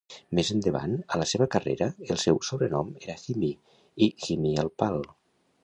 Més endavant a la seva carrera, el seu sobrenom era "Hymie" i "Hymie el Pal".